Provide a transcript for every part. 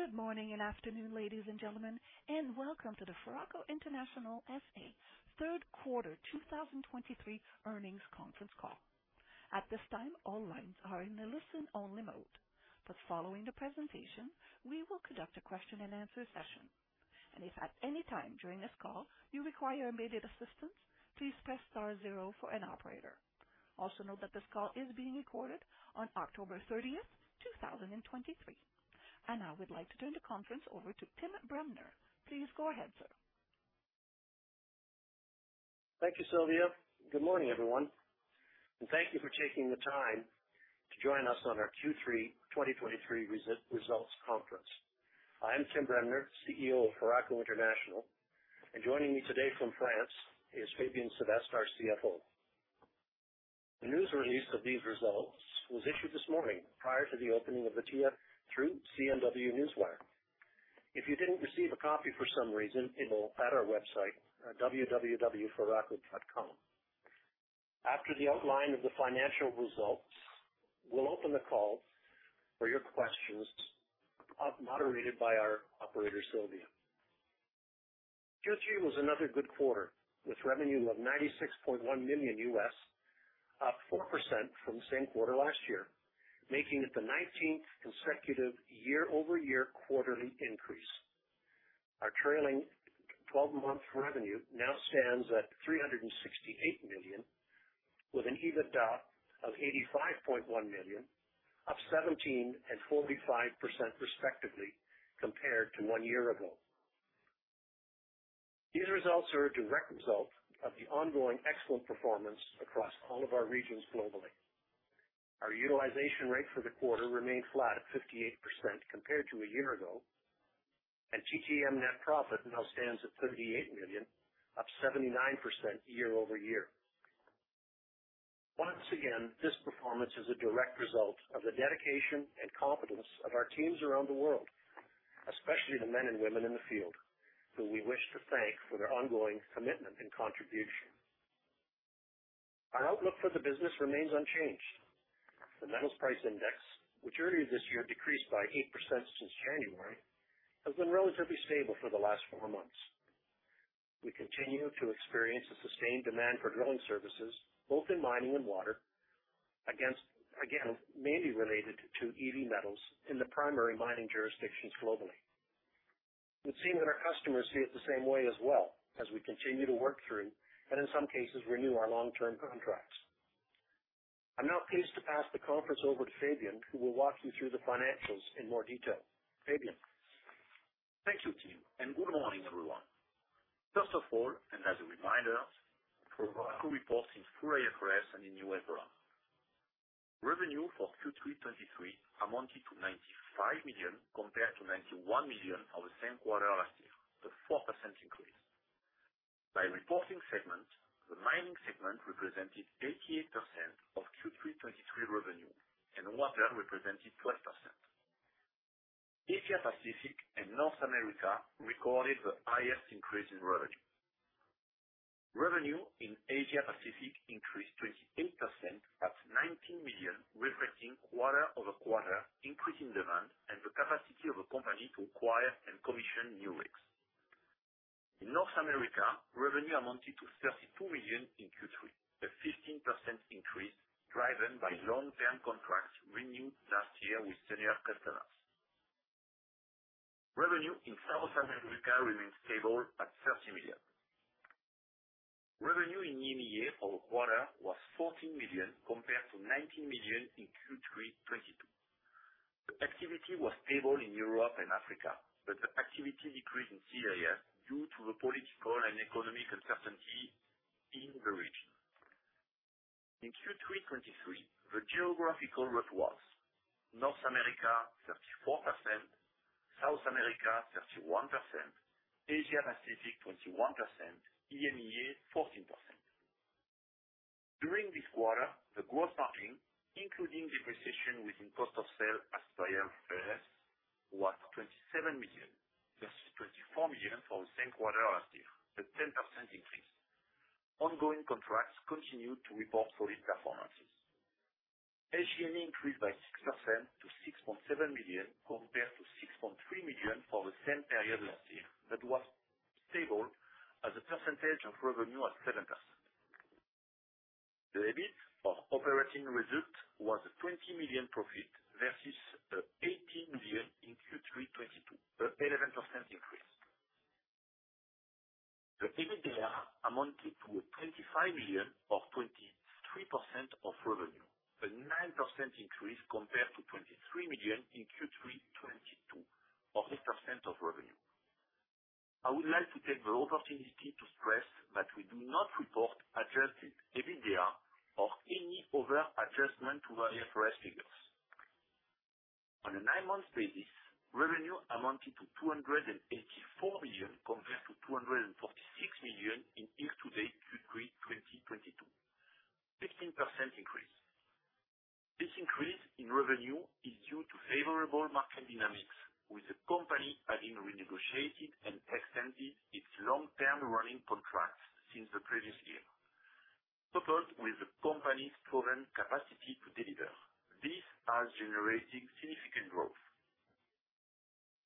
Good morning and afternoon, ladies and gentlemen, and welcome to the Foraco International SA third quarter 2023 earnings conference call. At this time, all lines are in a listen-only mode, but following the presentation, we will conduct a question-and-answer session. And if at any time during this call you require immediate assistance, please press star zero for an operator. Also note that this call is being recorded on October 30th, 2023. And now I would like to turn the conference over to Tim Bremner. Please go ahead, sir. Thank you, Sylvia. Good morning, everyone, and thank you for taking the time to join us on our Q3 2023 results conference. I'm Tim Bremner, CEO of Foraco International, and joining me today from France is Fabien Sevestre, our CFO. The news release of these results was issued this morning prior to the opening of the TSX through CNW Newswire. If you didn't receive a copy for some reason, it will be at our website, www.foraco.com. After the outline of the financial results, we'll open the call for your questions, moderated by our operator, Sylvia. Q3 was another good quarter, with revenue of $96.1 million, up 4% from the same quarter last year, making it the 19th consecutive year-over-year quarterly increase. Our Trailing Twelve Month revenue now stands at $368 million, with an EBITDA of $85.1 million, up 17% and 45% respectively, compared to one year ago. These results are a direct result of the ongoing excellent performance across all of our regions globally. Our utilization rate for the quarter remained flat at 58% compared to a year ago, and TTM net profit now stands at $38 million, up 79% year-over-year. Once again, this performance is a direct result of the dedication and competence of our teams around the world, especially the men and women in the field, who we wish to thank for their ongoing commitment and contribution. Our outlook for the business remains unchanged. The Metals Price Index, which earlier this year decreased by 8% since January, has been relatively stable for the last four months. We continue to experience a sustained demand for drilling services, both in mining and water, against, again, mainly related to EV metals in the primary mining jurisdictions globally. It would seem that our customers see it the same way as well, as we continue to work through, and in some cases, renew our long-term contracts. I'm now pleased to pass the conference over to Fabien, who will walk you through the financials in more detail. Fabien? Thank you, Tim, and good morning, everyone. First of all, and as a reminder, Foraco reports in full IFRS and in U.S. dollars. Revenue for Q3 2023 amounted to $95 million, compared to $91 million for the same quarter last year, a 4% increase. By reporting segment, the mining segment represented 88% of Q3 2023 revenue, and water represented 12%. Asia Pacific and North America recorded the highest increase in revenue. Revenue in Asia Pacific increased 28% at $19 million, reflecting a quarter-over-quarter increase in demand and the company's capacity to acquire and commission new rigs. In North America, revenue amounted to $32 million in Q3, a 15% increase driven by long-term contracts renewed last year with senior customers. Revenue in South America remains stable at $30 million. Revenue in EMEA over the quarter was $14 million, compared to $19 million in Q3 2022. The activity was stable in Europe and Africa, but the activity decreased in Syria due to the political and economic uncertainty in the region. In Q3 2023, the geographical mix was North America, 34%, South America, 31%, Asia Pacific, 21%, and EMEA, 14%. During this quarter, the gross margin, including depreciation within cost of sales as per IFRS, was $27 million, versus $24 million for the same quarter last year, a 10% increase. Ongoing contracts continued to report solid performances. SG&A increased by 6% to $6.7 million, compared to $6.3 million for the same period last year. That was stable as a percentage of revenue at 7%. The EBIT of the operating result was a $20 million profit, versus $18 million in Q3 2022, an 11% increase. The EBITDA amounted to $25 million, or 23% of revenue, a 9% increase compared to $23 million in Q3 2022, or 8% of revenue. I would like to take the opportunity to stress that we do not report Adjusted EBITDA or any other adjustment to our IFRS figures. On a nine-month basis, revenue amounted to $284 million, compared to $246 million in year-to-date Q3 2022, 16% increase. This increase in revenue is due to favorable market dynamics, with the company having renegotiated and extended its long-term running contracts since the previous year, coupled with the company's proven capacity to deliver. This has generated significant growth.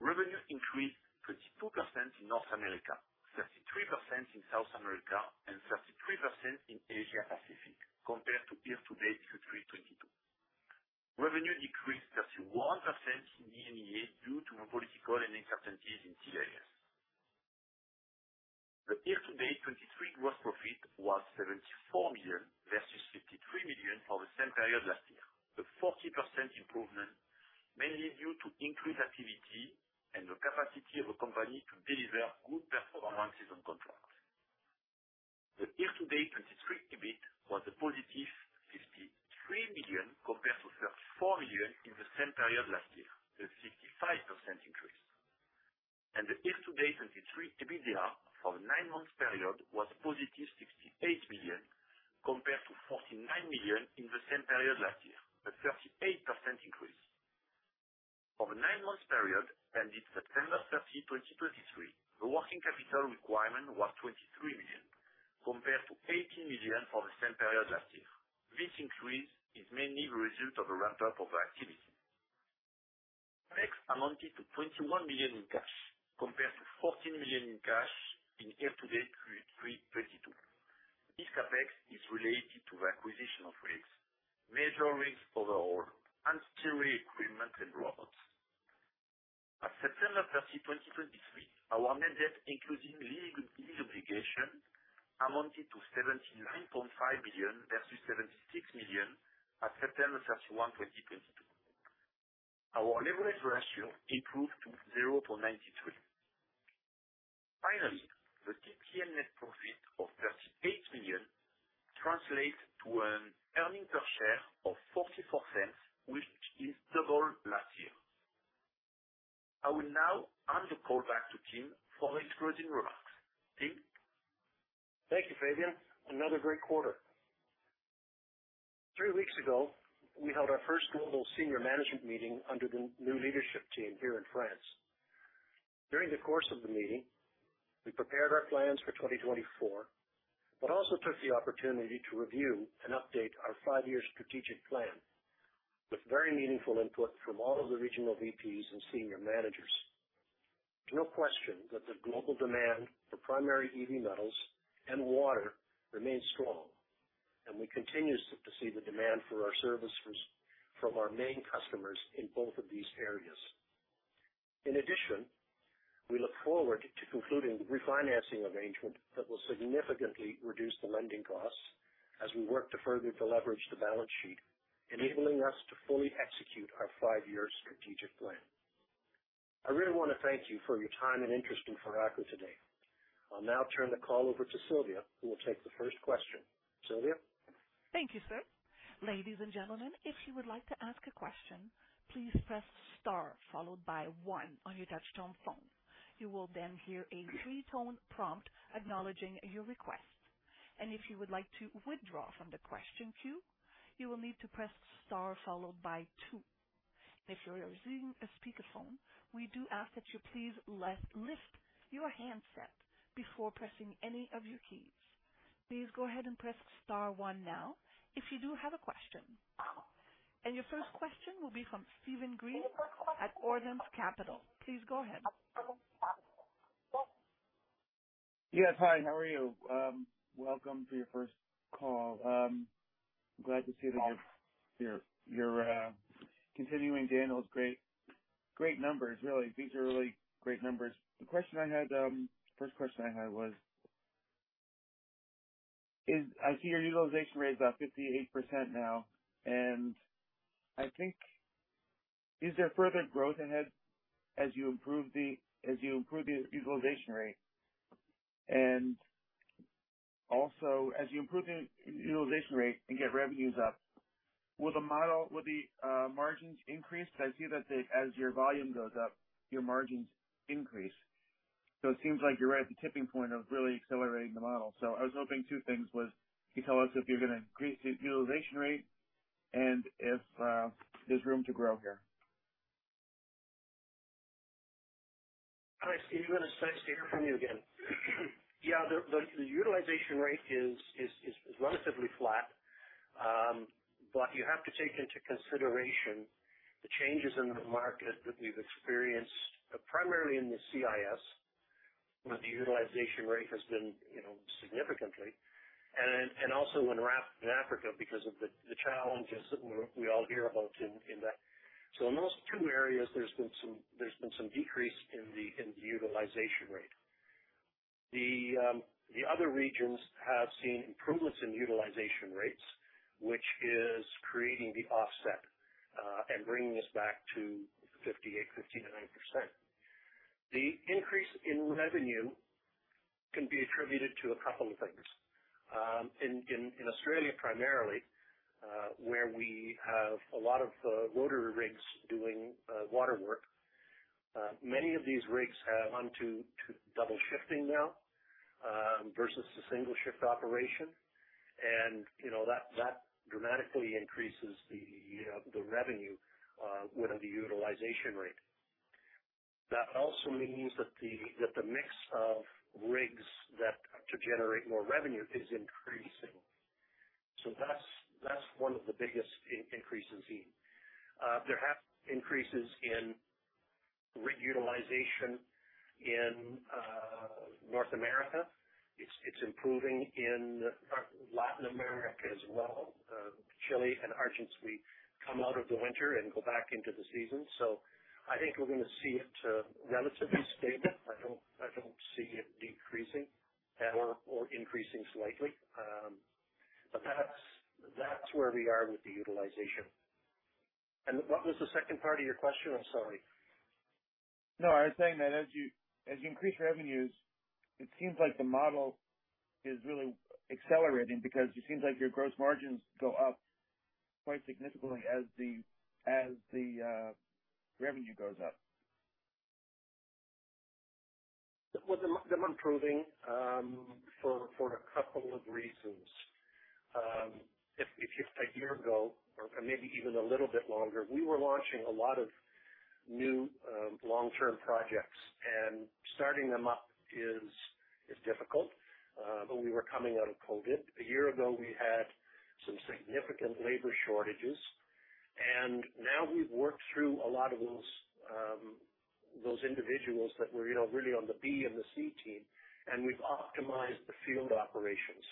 Revenue increased 32% in North America, 33% in South America, and 33% in the Asia Pacific compared to year-to-date Q3 2022. Revenue decreased 31% in EMEA due to political and economic uncertainties in key areas. The year-to-date 2023 gross profit was $74 million versus $53 million for the same period last year, a 40% improvement, mainly due to increased activity and the capacity of the company to deliver good performance on contracts. The year-to-date 2023 EBIT was a positive $53 million compared to $34 million in the same period last year, a 55% increase. The year-to-date 2023 EBITDA for the nine-month period was positive $68 million compared to $49 million in the same period last year, a 38% increase. For the nine-month period ended September 30, 2023, the working capital requirement was $23 million, compared to $18 million for the same period last year. This increase is mainly the result of a ramp-up of activity. CapEx amounted to $21 million in cash, compared to $14 million in cash in year-to-date Q3 2022. This CapEx is related to the acquisition of rigs, major rigs overhaul, steering equipment, and robots. As of September 30, 2023, our net debt, including lease obligations, amounted to $79.5 billion versus $76 million at September 31, 2022. Our leverage ratio improved to 0.93. Finally, the TTM net profit of $38 million translates to an earnings per share of $0.44, which is double last year's. I will now hand the call back to Tim for his closing remarks. Tim? Thank you, Fabien. Another great quarter. Three weeks ago, we held our first global senior management meeting under the new leadership team here in France. During the course of the meeting, we prepared our plans for 2024, but also took the opportunity to review and update our five-year strategic plan with very meaningful input from all of the regional VPs and senior managers. No question that the global demand for primary EV metals and water remains strong, and we continue to see the demand for our services from our main customers in both of these areas. In addition, we look forward to concluding the refinancing arrangement that will significantly reduce the lending costs as we work to further deleverage the balance sheet, enabling us to fully execute our five-year strategic plan. I really want to thank you for your time and interest in Foraco today. I'll now turn the call over to Sylvia, who will take the first question. Sylvia? Thank you, sir. Ladies and gentlemen, if you would like to ask a question, please press star followed by one on your touchtone phone. You will then hear a three-tone prompt acknowledging your request. If you would like to withdraw from the question queue, you will need to press star followed by two. If you are using a speakerphone, we do ask that you please lift your handset before pressing any of your keys. Please go ahead and press star one now if you do have a question. Your first question will be from Steven Green at Ordinance Capital. Please go ahead. Yes, hi, how are you? Welcome to your first call. I'm glad to see that you're continuing to handle those great, great numbers. Really, these are really great numbers. The question I had, first question I had was... I see your utilization rate is about 58% now, and I think, is there further growth ahead as you improve the utilization rate? And also, as you improve the utilization rate and get revenues up, will the model, will the margins increase? Because I see that as your volume goes up, your margins increase. So it seems like you're right at the tipping point of really accelerating the model. So I was hoping for two things was, can you tell us if you're gonna increase the utilization rate, and if there's room to grow here? Hi, Steven. It's nice to hear from you again. Yeah, the utilization rate is relatively flat. But you have to take into consideration the changes in the market that we've experienced, primarily in the CIS, where the utilization rate has been, you know, significantly, and also in Africa because of the challenges that we all hear about in that. So in those two areas, there's been some decrease in the utilization rate. The other regions have seen improvements in utilization rates, which is creating the offset and bringing us back to 58%, 50%-90%. The increase in revenue can be attributed to a couple of things. In Australia, primarily, where we have a lot of rotary rigs doing water work. Many of these rigs have gone to double shifting now, versus the single shift operation. And, you know, that dramatically increases the revenue with the utilization rate... That also means that the mix of rigs that generate more revenue is increasing. So that's one of the biggest increases seen. There have increases in rig utilization in North America. It's improving in Latin America as well. In Chile and Argentina, we come out of the winter and go back into the season. So I think we're gonna see it relatively stable. I don't see it decreasing or increasing slightly. But that's where we are with the utilization. And what was the second part of your question? I'm sorry. No, I was saying that as you increase revenues, it seems like the model is really accelerating because it seems like your gross margins go up quite significantly as the revenue goes up. Well, they're improving for a couple of reasons. If you... A year ago, or maybe even a little bit longer, we were launching a lot of new long-term projects, and starting them up is difficult. But we were coming out of Covid. A year ago, we had some significant labor shortages, and now we've worked through a lot of those individuals that were, you know, really on the B and the C team, and we've optimized the field operations.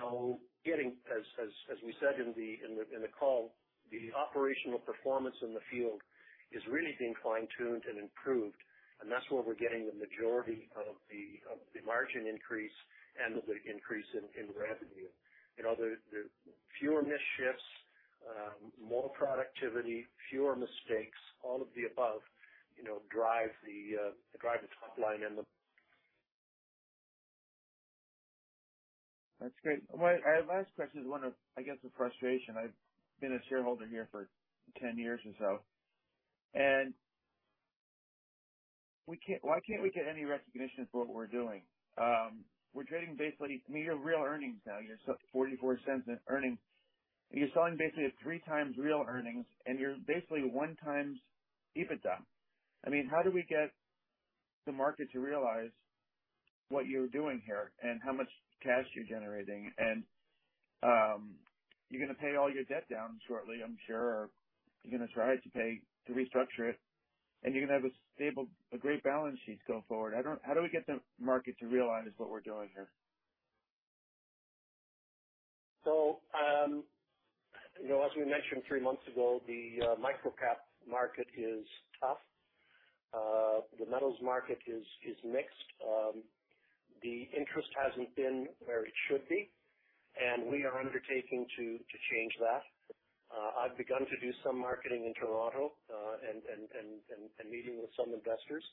So as we said in the call, the operational performance in the field is really being fine-tuned and improved, and that's where we're getting the majority of the margin increase and the increase in revenue. You know, there are fewer missed shifts, more productivity, fewer mistakes, all of the above, you know, drive the top line and the- That's great. My last question is one of, I guess, frustration. I've been a shareholder here for 10 years or so, and we can't... Why can't we get any recognition for what we're doing? We're trading basically near real earnings now. You're at $0.44 in earnings, and you're selling basically at 3x real earnings, and you're basically 1x EBITDA. I mean, how do we get the market to realize what we're doing here and how much cash you're generating? And you're gonna pay all your debt down shortly, I'm sure. You're gonna try to pay to restructure it, and you're gonna have a stable, great balance sheet go forward. I don't... How do we get the market to realize what we're doing here? So, you know, as we mentioned three months ago, the microcap market is tough. The metals market is mixed. The interest hasn't been where it should be, and we are undertaking to change that. I've begun to do some marketing in Toronto and meet with some investors.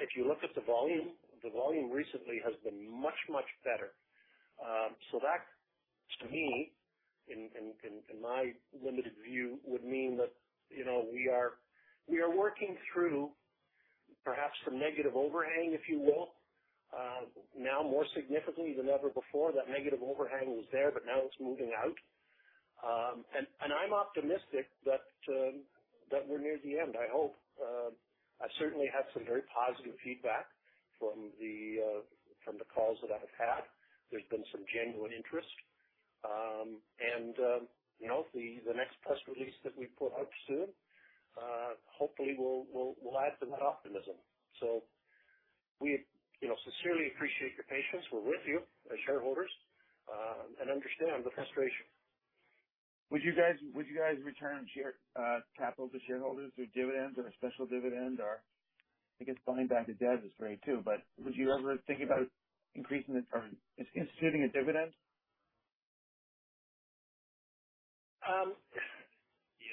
If you look at the volume, the volume has recently been much, much better. So that to me, in my limited view, would mean that, you know, we are working through perhaps some negative overhang, if you will. Now, more significantly than ever before, that negative overhang was there, but now it's moving out. And I'm optimistic that we're near the end, I hope. I certainly have some very positive feedback from the calls that I've had. There's been some genuine interest. And you know, the next press release that we put out soon, hopefully, will add to that optimism. So we, you know, sincerely appreciate your patience. We're with you as shareholders and understand the frustration. Would you guys, would you guys return share capital to shareholders through dividends or a special dividend? Or I guess buying back the debt is great too, but would you ever think about increasing it or instituting a dividend?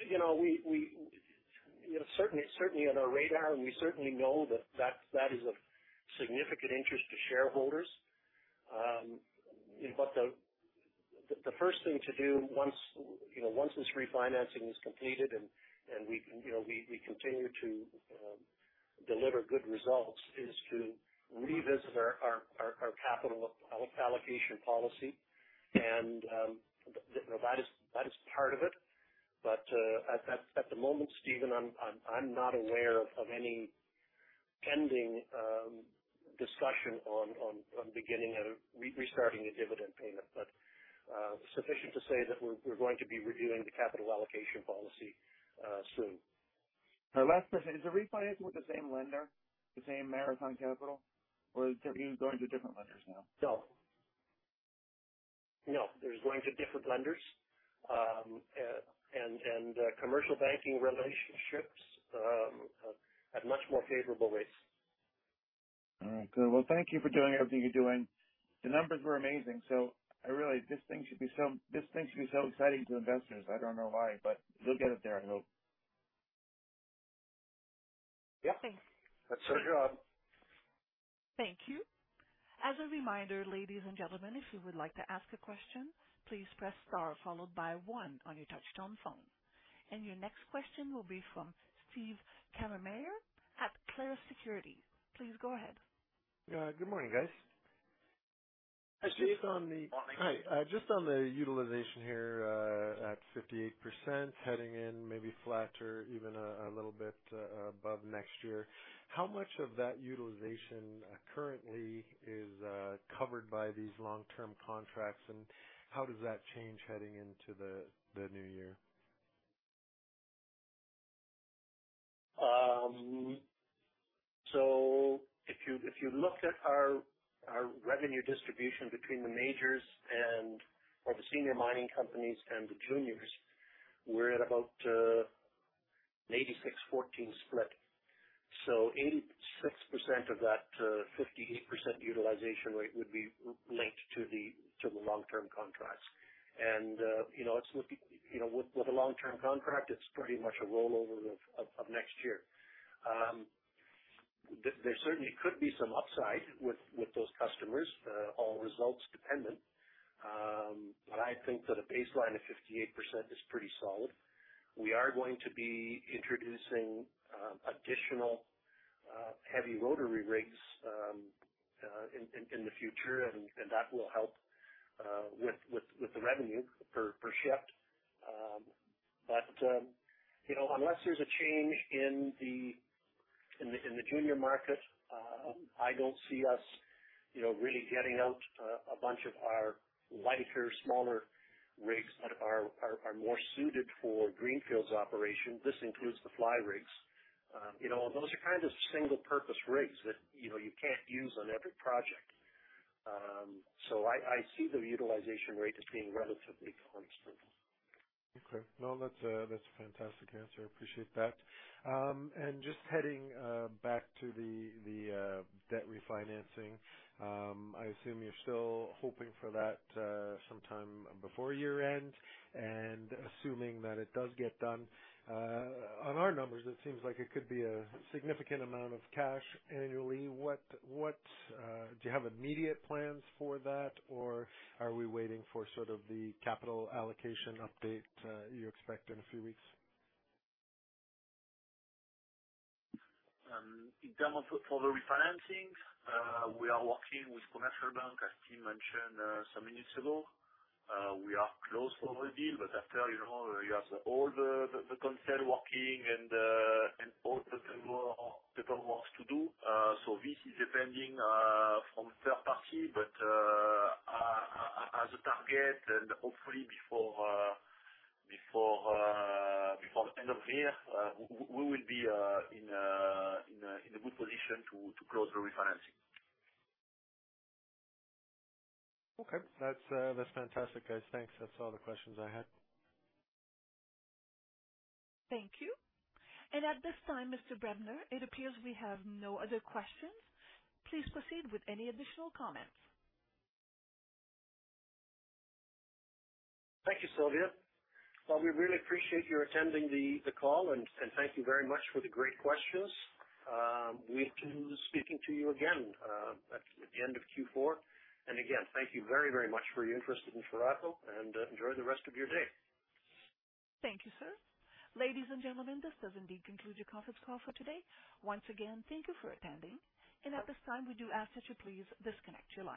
You know, certainly, it's certainly on our radar, and we certainly know that that is of significant interest to shareholders. But the first thing to do once this refinancing is completed and we can continue to deliver good results, is to revisit our capital allocation policy. You know, that is part of it. But at the moment, Steven, I'm not aware of any pending discussion on beginning or restarting a dividend payment. Suffice it to say that we're going to be reviewing the capital allocation policy soon. My last question: Is the refinancing with the same lender, the same Marathon Capital, or are you going to different lenders now? No. No, there's going to be different lenders and commercial banking relationships, at much more favorable rates. All right. Good. Well, thank you for doing everything you're doing. The numbers were amazing, so I really... This thing should be so, this thing should be so exciting to investors. I don't know why, but you'll get it there, I hope. Yeah. Thanks. That's our job. Thank you. As a reminder, ladies and gentlemen, if you would like to ask a question, please press star followed by one on your touch-tone phone. Your next question will be from Steve Kammermayer at Clarus Securities. Please go ahead. Good morning, guys.... Just on the, hi, just on the utilization here at 58%, heading in maybe flatter, even a little bit above next year. How much of that utilization is currently covered by these long-term contracts, and how does that change heading into the new year? So if you, if you look at our, our revenue distribution between the majors and the senior mining companies and the juniors, we're at about an 86/14 split. So 86% of that, 58% utilization rate would be linked to the, to the long-term contracts. And, you know, it's looking... You know, with, with a long-term contract, it's pretty much a rollover of, of, of next year. There certainly could be some upside with, with those customers, all results dependent. But I think that a baseline of 58% is pretty solid. We are going to be introducing additional heavy rotary rigs, in, in, in the future, and that will help with the revenue per shift. But, you know, unless there's a change in the junior market, I don't see us, you know, really getting out a bunch of our lighter, smaller rigs that are more suited for greenfield operations. This includes the Fly rigs. You know, those are kind of single-purpose rigs that, you know, you can't use on every project. So I see the utilization rate as being relatively constant. Okay. No, that's a fantastic answer. I appreciate that. And just heading back to the debt refinancing, I assume you're still hoping for that sometime before year end? And assuming that it does get done, on our numbers, it seems like it could be a significant amount of cash annually. What do you have immediate plans for that, or are we waiting for sort of the capital allocation update you expect in a few weeks? In terms of, for the refinancing, we are working with commercial bank, as Steve mentioned, some minutes ago. We are close for a deal, but after, you know, you have all the concern working and all the paperwork, paperwork to do. So this is depending from third party, but as a target and hopefully before end of year, we will be in a good position to close the refinancing. Okay. That's, that's fantastic, guys. Thanks. That's all the questions I had. Thank you. At this time, Mr. Bremner, it appears we have no other questions. Please proceed with any additional comments. Thank you, Sylvia. Well, we really appreciate your attending the call, and thank you very much for the great questions. We look forward to speaking to you again at the end of Q4. And again, thank you very, very much for your interest in Foraco, and enjoy the rest of your day. Thank you, sir. Ladies and gentlemen, this does indeed conclude your conference call for today. Once again, thank you for attending, and at this time, we do ask that you please disconnect your line.